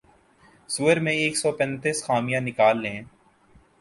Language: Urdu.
سؤر میں ایک سو پینتیس خامیاں نکال لیں